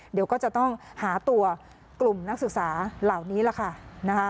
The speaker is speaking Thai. เดี๋ยวก็จะต้องหาตัวกลุ่มนักศึกษาเหล่านี้ล่ะค่ะ